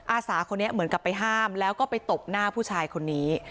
อาสาคนนี้เหมือนกับไปห้ามแล้วก็ไปตบหน้าผู้ชายคนนี้